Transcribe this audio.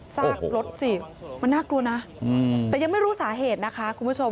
ซากรถสิมันน่ากลัวนะแต่ยังไม่รู้สาเหตุนะคะคุณผู้ชม